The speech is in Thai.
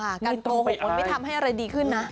การโกหกมันไม่ทำให้อะไรดีขึ้นนะ